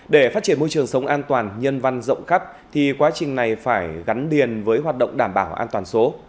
để phát triển môi trường sống an toàn nhân văn rộng khắp thì quá trình này phải gắn liền với hoạt động đảm bảo an toàn số